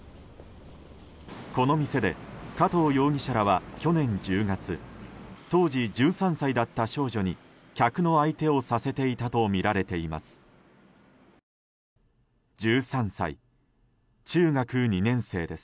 この店で加藤容疑者らは去年１０月当時１３歳だった少女に客の相手をさせていたとみられています。